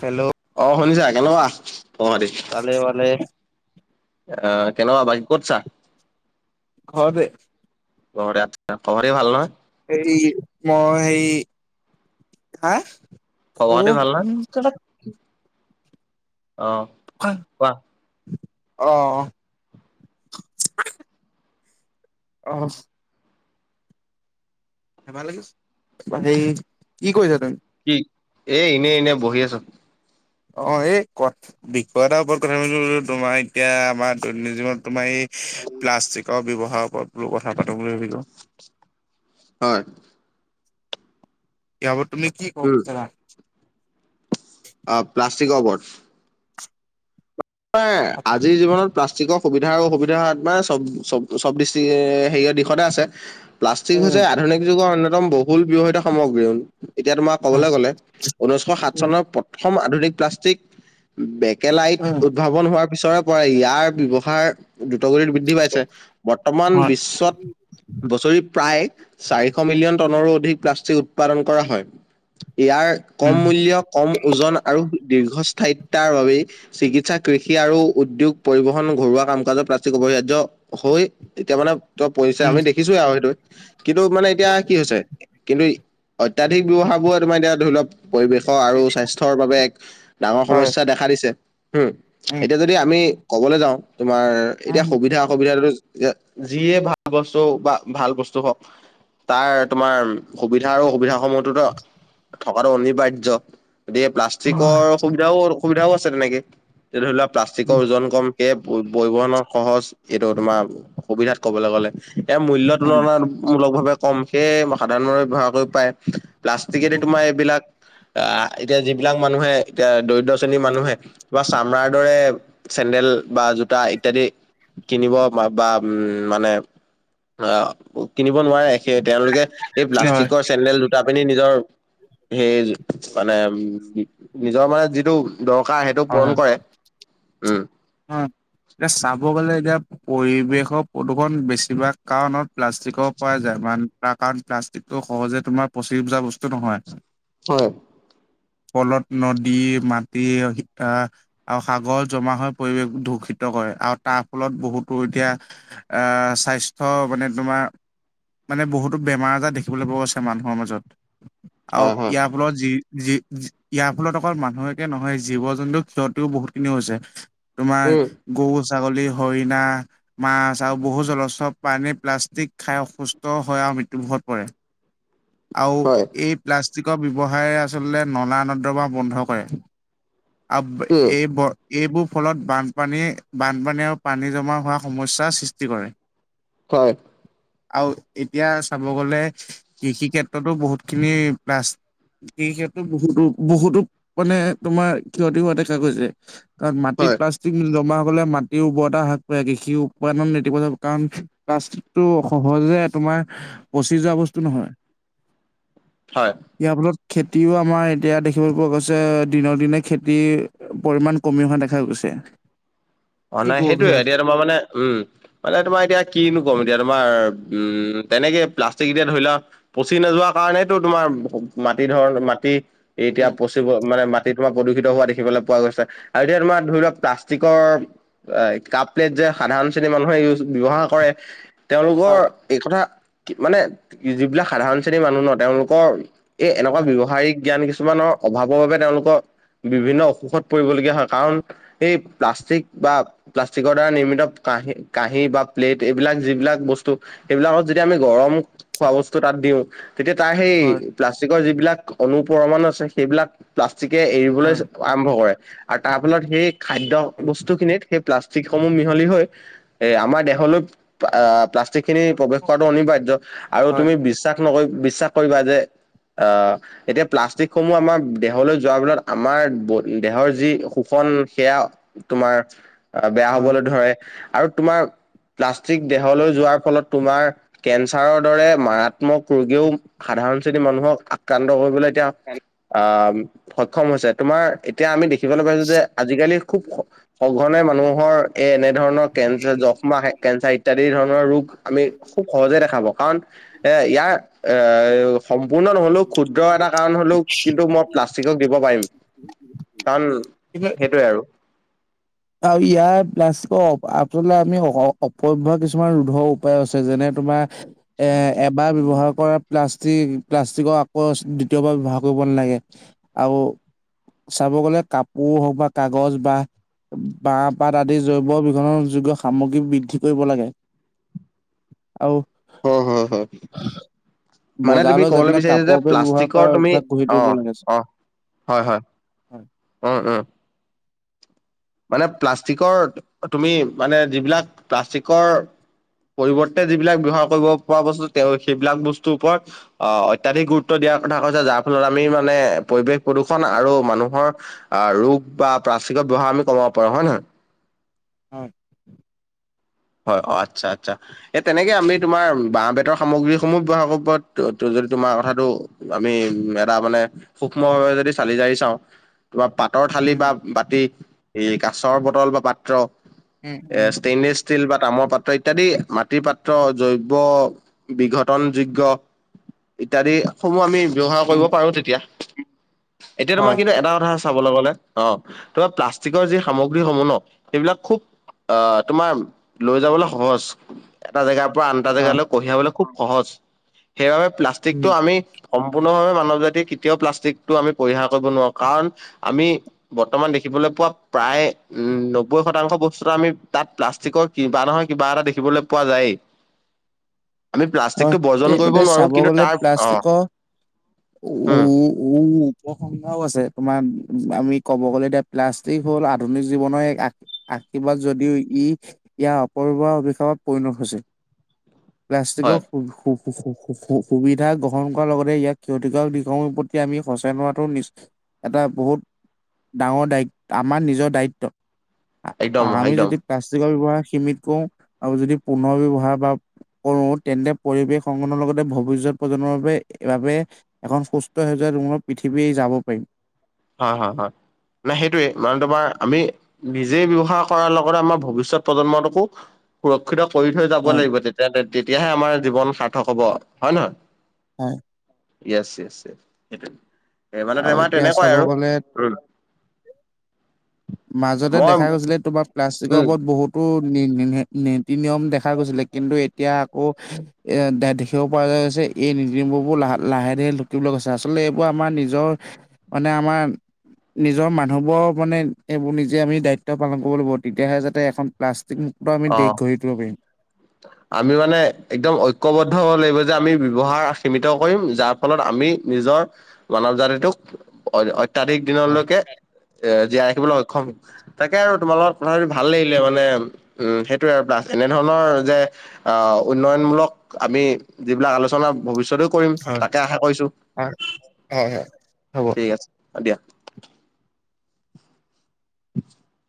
Hello. অ শুনিছা, কেনেকুৱা খবৱ খাতি? ভালে ভালে। অ কেনেকুৱা বাকী ক'ত আছা? ঘৰতে। ঘৰতে আচ্ছা, খবৰে খাতি ভাল নহয়? এই মই সেই হা- খবৰ খাতি ভাল নহয় [unintelligible] অ। কোৱা অ। অ। ধেমালি কৰিছোঁ। হেৰি কি কৰিছা তুমি? কি? এ এনে এনে বহি আছো। অ, ‌এই কথ, বিষয় এটাৰ ওপৰত কথা তোমাৰ এতিয়া আমাৰ দৈনন্দিন জীৱন তোমাৰ এই প্লাষ্টিকৰ ব্যৱহাৰৰ ওপৰত বোলো কথা পাতো বুলি ভাবিলো। হয়। ইয়াৰ ওপৰত তুমি কি কব উম বিচৰা? অ প্লাষ্টিকৰ ওপৰত। ম আজিৰ জীৱনত প্লাষ্টিকৰ সুবিধা অসুবিধা হাত মানে চব চব চবিষ্টিক হেৰিয়ৰ দিশতে আছে৷ উ [unintelligible] প্লাষ্টিক হৈছে উম আধুনিক যুগৰ অন্যতম বহুল ব্যৱহিত সামগ্ৰী। এতিয়া তোমাৰ হয় ক'বলৈ গ'লে ঊনৈছশ সাত উম চনৰ প্ৰথম আধুনিক প্লাষ্টিক বেকেলাইট, উম উৎভাৱন হোৱাৰ পিছৰে পৰাৰে ইয়াৰ ব্যৱহাৰ দ্ৰুতগতিত বৃদ্ধি পাইছে। বৰ্তমান হয় বিশ্বত- বছৰি প্ৰায় চাৰিশ মিলিয়ন টনৰো অধিক প্লাষ্টিক উৎপাদন কৰা হয়। ইয়াৰ কম উম মূল্য, কম ওজন আৰু দীৰ্ঘস্থায়িত্বাৰ বাবেই চিকিৎ সা কৃষি আৰু উদ্যোগ পৰিবহন ঘৰুৱা কাম কাজৰ প্ৰাচিক অপৰিহাৰ্য হৈ এতিয়া মানে ত পৰিছে। উম আমি দেখিছোয়ে আৰু সেইটো কিন্তু মানে এতিয়া কি হৈছে কিন্তু অত্যাধিক ব্যৱহাৰ বোৰ তোমাৰ এতিয়া ধৰি লওক পৰিৱেশৰ আৰু স্বাস্থ্যৰ বাবে এক ডাঙৰ হয় সমস্যা দেখা দিছে। হম, উম এতিয়া যদি আমি কবলৈ যাওঁ তোমাৰ এতিয়া উম সুবিধা অসুবিধাটো যিয়ে ভাল বস্তু বা ভাল বস্তু হওক তাৰ তোমাৰ সুবিধা আৰু অসুবিধা সমূহতো থকাটো অনিবাৰ্য। গতিকে প্লাষ্টিকৰ হয় সুবিধাও অসুবিধাও আছে তেনেকে, এতিয়া ধৰি লোৱা প্লাষ্টিকৰ উম ওজন কম৷ এ পৰিবহনৰ সহজ এইটো তোমাৰ সুবিধাত কবলৈ গলে। ইয়াৰ মূল্য তুলনামূলক ভাৱে কম, সেয়ে সাধাৰণ ব্যৱহাৰ কৰি পায়। প্লাষ্টিকেদি তোমাৰ এইবিলাক আহ এতিয়া যিবিলাক মানুহে এতিয়া দৰিদ্ৰ শ্ৰেণীৰ মানুহে তোমাৰ চামৰাৰ দৰে চেণ্ডেল বা জোতা ইত্যাদি কিনিব বা উম মানে আহ কিনিব নোৱাৰে। সেই তেওঁলোকে এই হয় প্লাষ্টিকৰ চেণ্ডেল দুটা হয় পিন্ধি নিজৰ হে মানে উ নিজৰ মানে যিটো দৰকাৰ সেইটো হয় পূৰণ কৰে। উম। অ এতিয়া চাব গ'লে এতিয়া পৰিৱেশৰ প্ৰদূষণ বেছিভাগ কাৰণত প্লাষ্টিকৰ পৰা যায়। মান তাৰ কাৰণ প্লাষ্টিকটো সহজে তোমাৰ পচি যোৱা বস্তু নহয়। হ'য়। ফলত নদী, মাটি হিক্‌ আ আৰু সাগৰত জমা হ'য় পৰিৱেশ দূষিত কৰে আৰু তাৰ ফলত বহুতো এতিয়া আ স্বাস্থ্য মানে তোমাৰ মানে বহুতো বেমাৰ আজাৰ দেখিবলৈ পোৱা আছে মানুহৰ মাজত আৰু হয় হয় ইয়াৰ ফলত যি যি ইয়াৰ ফলত অকল মানুহকে একে নহয় জীৱ জন্তু ক্ষতিও বহুত খিনি হৈছে। তোমাৰ উম গৰু, ছাগলী, হৰিণা মাছ আৰু বহু জলচৰ প্ৰাণী প্লাষ্টিক খাই অসুস্থ হৈ আৰু মৃত্যুমুখত পৰে। আৰু হয় এই প্লাষ্টিকৰ ব্যৱহাৰে আচলতে নলা- নৰ্দমা বন্ধ কৰে। আব্‌ উম এ ব' এইবোৰ ফলত বানপানী-বানপানী আৰু পানী জমা কৰা সমস্যাৰ সৃষ্টি কৰে। হ'য়। আৰু এতিয়া চাব গ'লে কৃষি ক্ষেত্ৰটো বহুতখিনি প্লাষ্‌ সেই ক্ষেত্ৰত বহুতো বহুতো মানে তোমাৰ ক্ষতি হোৱা দেখা গৈছে। কাৰণ মাটিত হয় প্লাষ্টিক জমা হ'লে মাটিৰ উৰ্বৰতা হ্ৰাস পায়। কৃষি উৎপাদন নেতিবাচক কাৰণ কাচটো সহজে তোমাৰ পচি যোৱা বস্তু নহয়। হয় ইয়াৰ ফলত খেতিও আমাৰ এতিয়া দেখিবলৈ পোৱা গৈছে দিনক দিনে খেতি পৰিমাণ কমি অহা দেখা গৈছে। অঁ কি নাই। ক'ব সেইটোৱে বিচাৰা? এতিয়া তোমাৰ মানে উম, মানে তোমাৰ এতিয়া কিনো কম এতিয়া তোমাৰ উম, তেনেকে প্লাষ্টিক এতিয়া ধৰি লোৱা পচি নোযোৱা কাৰণেটো তোমাৰ মাটি ধৰণ, মাটি এতিয়া উম, পচি চিব মানে, মাটি তোমাৰ প্ৰদূষিত হোৱা দেখিবলৈ পোৱা গৈছে আৰু এতিয়া তোমাৰ ধৰি লোৱা প্লাষ্টিকৰ আ কাপ প্লেট যে সাধাৰণ শ্ৰেণীৰ মানুহে ইউজ ব্যৱহাৰ কৰে তেওঁলোকৰ হয়, এই খনৰ মানে যিবিলাক সাধাৰণ শ্ৰেণীৰ মানুহ ন, তেওঁলোকৰ এই এনেকুৱা হয়, ব্যৱহাৰিক জ্ঞান কিছুমানৰ অভাৱৰ বাবে তেওঁলোকৰ বিভিন্ন অসুখত পৰিবলগীয়া হ'য়। কাৰণ এই প্লাষ্টিক বা প্লাষ্টিকৰ দ্বাৰা নিৰ্মিত কাঁহী-কাঁহী বা প্লেট এইবিলাক যিবিলাক বস্তু সেইবিলাকত যদি আমি গৰম খোৱা বস্তু তাত দিওঁ। তেতিয়া তাৰ সেই হয়, প্লাষ্টিকৰ যিবিলাক অনু পৰমাণু আছে, সেইবিলাক প্লাষ্টিকে এৰিবলে আৰম্ভ কৰে, আৰু তাৰ ফলত সেই খাদ্য হয়, বস্তু খিনিত সেই প্লাষ্টিক সমূহ মিহলি হৈ এ আমাৰ দেহলৈ আ প্লাষ্টিক্‌খিনি প্ৰৱেশ কৰাটো অনিবাৰ্য আৰু হয়, তুমি বিশ্বাস নকৰি বিশ্বাস কৰিবা যে আ এতিয়া প্লাষ্টিকসমূহ আমাৰ দেহলৈ যোৱাৰ ফলত আমাৰ ব দেহৰ যি শোষণ সেয়া তোমাৰ বেয়া হয়। হ'বলৈ ধৰে, আৰু তোমাৰ প্লাষ্টিক দেহলৈ যোৱাৰ ফলত তোমাৰ কেঞ্চাৰৰ দৰে মাৰাত্মক ৰোগেও সাধাৰণ শ্ৰেণীৰ মানুহক আক্ৰান্ত কৰিবলে এতিয়া আম সক্ষম হৈছে, তোমাৰ এতিয়া আমি দেখিবলৈ পাইছোঁ যে আজি-কালি খুব সঘনে মানুহৰ এ এনে ধৰণৰ কেঞ্চাৰ যক্ষ্মা, কেঞ্চাৰ ইত্যাদি ধৰণৰ ৰোগ আমি খুব সহজে দেখা পাওঁ কাৰণ এ ইয়াৰ এ সম্পূৰ্ণ নহ'লেও ক্ষুদ্ৰ এটা কাৰণ হ'লেও কিন্তু মই প্লাষ্টিকক দিব পাৰিম, কাৰণ সেইটোৱে আৰু। আৰু ইয়াৰ প্লাষ্টিকৰ অপ আচলতে আমি হ অপব্যৱহাৰ কিছুমান ৰোধৰ উপায় আছে, যেনে তোমাৰ এ এবাৰ ব্যৱহাৰ কৰা প্লাষ্টিক প্লাষ্টিকৰ আকৌ দ্বিতীয়বাৰ ব্যৱহাৰ কৰিব নালাগে। আৰু চাব গ'লে কাপোৰ হওক বা কাগজ বা বাঁহপাত আদি জৈৱবিঘন যোগ্য সামগ্ৰী বৃদ্ধি কৰিব লাগে। আৰু হয়-হয়-হয়। মানে তুমি বজাৰলৈ যাতে ক'বলে বিচাৰিছা কাপোৰৰ যে পৰা ব্যৱহাৰ কৰা প্লাষ্টিকৰ তুমি অভ্যাস গঢ়ি অ', তুলিব লাগে অ'। হয়-হয়, হয় উম, উম। মানে প্লাষ্টিকৰ তুমি মানে যিবিলাক প্লাষ্টিকৰ পৰিৱৰ্তে যিবিলাক ব্যৱহাৰ কৰিব পৰা বস্তু তেওঁ সেইবিলাক বস্তুৰ ওপৰত অ অত্যাধিক গুৰুত্ব দিয়াৰ কথা কৈছে, যাৰ ফলত আমি মানে পৰিৱেশ প্ৰদূৰ্ষণ আৰু মানুহৰ আ ৰোগ বা প্লাষ্টিকৰ ব্যৱহাৰ আমি কমাব পাৰো, হয় নহয়। হয়। হয়, অ', আচ্ছা- আচ্ছা। এ তেনেকে আমি তোমাৰ বাঁহ-বেতৰ সামগ্ৰীসমূহ ব্যৱহাৰ কৰিব পাৰোঁ, [unintelligible] যদি তোমাৰ কথাটো আমি এটা মানে সূক্ষ্মভাৱে যদি চালি জাৰি চাওঁ। কিবা পাতৰ থালি উম বা বাতি, এ কাছৰ বটল বা পাত্ৰ। উম এ উম ষ্টেইনেচ ষ্টিল বা তামৰ পাত্ৰ ইত্যাদি মাটিৰ পাত্ৰ জৈৱ বিঘটন যোগ্য ইত্যাদি সমূহ আমি ব্যৱহাৰ কৰিব উম পাৰো তেতিয়া, এতিয়া তোমাৰ হয় কিন্তু এটা কথা আছ চাবলৈ গ'লে অ', তোমাৰ প্লাষ্টিকৰ যি সামগ্ৰীসমূহ ন, সেইবিলাক খুব অ', তোমাৰ লৈ যাবলৈ সহজ, এটা জেগাৰ পৰা আন এটা হয় জেগালৈ কঢ়িয়াবলে খুব সহজ, সেইবাবে উম প্লাষ্টিকটো আমি সম্পূৰ্ণভাৱে মানৱ জাতিয়ে কেতিয়াও প্লাষ্টিকটো আমি পৰিহাৰ কৰিব নোৱাৰো, কাৰণ আমি বৰ্তমান দেখিবলৈ পোৱা প্ৰায় উম নব্বৈ শতাংশ বস্তুত আমি তাত প্লাষ্টিকৰ কিবা নহয় কিবা এটা দেখিবলৈ পোৱা যায়য়ে। হয়, তে বৰ্জন কৰিব গোটে নোৱাৰো চাব কিন্তু গ'লে তাৰ অ প্লাষ্টিকৰ, উম উম, উপসংঘও আছে, তোমাৰ আমি ক'ব গ'লে এতিয়া প্লাষ্টিক হ'ল আধুনিক জীৱনৰ এক আ আশীৰ্বাদ যদিও ই ইয়াৰ অপব্যবহাৰ অভিশাপত পৰিণত হৈছে। প্লাষ্টিকৰ হয়। সু- সু- সু-সু- সু- সু-সু- সু সুবিধা গ্ৰহণ কৰাৰ লগতে ইয়াক ক্ষতিকাৰক নিগমৰ প্ৰতি আমি সচেতন হোৱাটো নিচ এটা বহুত ডাঙৰ দায়িত আমাৰ নিজৰ দায়িত্ব। একদম আ-আমি একদম যদি প্লাষ্টিকৰ ব্যৱহাৰ সীমিত কৰো, আৰু যদি পুনৰ ব্যৱহাৰ বা কৰো তেন্তে পৰিৱেশ সংগনৰ লগতে ভৱিষ্যত প্ৰজন্মৰ বাবে বাবে- এখন সুস্থ হৈ যোৱা ৰুমত পৃথিৱী যাব পাৰিম। হয় হয় হয় ন সেইটোৱে মানে তোমাৰ আমি- নিজেই ব্যৱসায় কৰাৰ লগতে আমাৰ ভৱিষ্যত প্ৰজন্মটোকো- সুৰক্ষিত কৰি থৈ যাব হয়, লাগিব তেতিয়া তেতিয়াহে আমাৰ জীৱন সাৰ্থক হ'ব হয় নহয়। হয়। য়েছ য়েছ য়েছ সেইটো সে মানে আৰু তোমাৰ এতিয়া তেনেকুৱাই চাব আৰু। গ'লে [unintelligible] মাজতে মই দেখা গৈছিলে তোমাৰ প্লাষ্টিকৰ উম ওপৰত বহুত- টো নীতি নিয়ম দেখা গৈছিলে। কিন্তু এতিয়া আকৌ এ দেখিব পৰা যোৱা গৈছে এই নীতিমবোৰ-বোৰ লাহে লাহে লাহে লোকিবলৈ গৈছে আচলতে এইবোৰ আমাৰ নিজৰ- মানে আমাৰ নিজৰ মানুহবোৰ মানে- এইবোৰ নিজে আমি দায়িত্ব পালন কৰিব লাগিব তেতিয়াহে যাতে এখন প্লাষ্টিক মুুক্ত আমি অ দেশ গঢ়ি তুলিব পাৰিম। আমি মানে একদম ঐকয়বদ্ধ হ'ব লাগিব যে আমি ব্যৱহাৰ সীমিত কৰিম যাৰ ফলত আমি নিজৰ মানৱ জাতিটোক অত্যধিক হয় দিনলৈকে এ জীয়াই ৰাখিবলৈ সক্ষম হম। তাকে আৰু তোমাৰ লগত কথা পাতি ভাল লাগিলে মানে উম সেইটোয়ে আৰু পাছ এনেধৰণৰ- যে আহ উন্নয়নমূলক আমি যিবিলাক আলোচনা ভৱিষ্যতো কৰিম হয় তাকে আশা কৰিছো হয় হয় হ'ব। ঠিক আছে দিয়া। [inaudible]